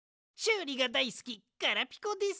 うりがだいすきガラピコです！